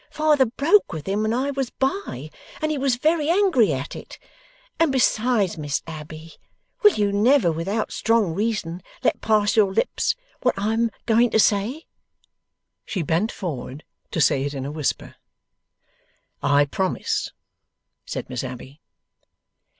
Father broke with him when I was by, and he was very angry at it. And besides, Miss Abbey! Will you never, without strong reason, let pass your lips what I am going to say?' She bent forward to say it in a whisper. 'I promise,' said Miss Abbey.